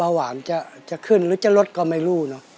หวานจะขึ้นหรือจะลดก็ไม่รู้เนอะ